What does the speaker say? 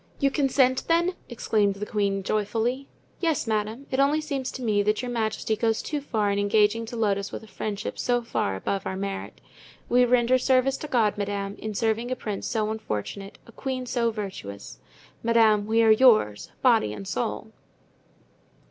"You consent then?" exclaimed the queen, joyfully. "Yes, madame; only it seems to me that your majesty goes too far in engaging to load us with a friendship so far above our merit. We render service to God, madame, in serving a prince so unfortunate, a queen so virtuous. Madame, we are yours, body and soul."